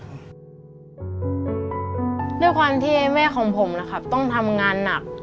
ด้วยความที่แม่ของผมนะครับต้องทำงานหนัก